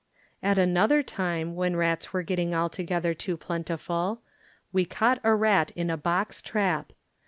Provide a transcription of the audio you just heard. At another time when rats were get ting altogether too plentiful, we caught a rat in a box trap.